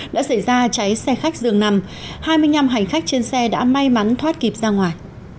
đã xảy ra cháy xe khách dường nằm hai mươi năm hành khách trên xe đã may mắn thoát kịp ra ngoài